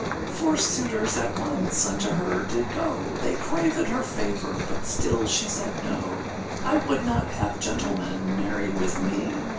Four suitors at once unto her did go, They cravèd her favour, but still she said no; I would not have gentlemen marry with me!